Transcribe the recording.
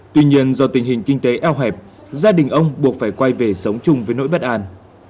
tuy nhiên do tình hình kinh tế eo hẹp gia đình ông buộc phải quay về sống chung với nỗi bất an